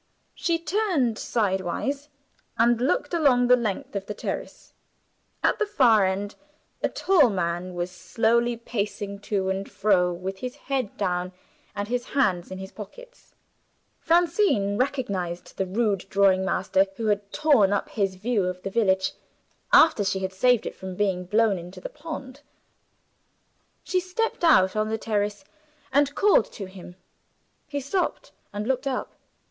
She turned sidewise, and looked along the length of the terrace. At the far end a tall man was slowly pacing to and fro, with his head down and his hands in his pockets. Francine recognized the rude drawing master, who had torn up his view of the village, after she had saved it from being blown into the pond. She stepped out on the terrace, and called to him. He stopped, and looked up.